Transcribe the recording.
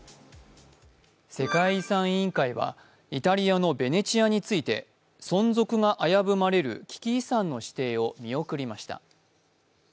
世界遺産委員会はイタリアのベネチアについて存続が危ぶまれる危機遺産の指定を見送りました。